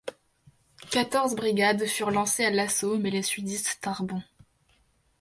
Quatorze brigades furent lancées à l'assaut mais les sudistes tinrent bon.